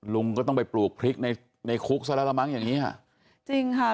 ลุงก็ต้องไปปลูกพริกในในคุกซะแล้วละมั้งอย่างงี้อ่ะจริงค่ะ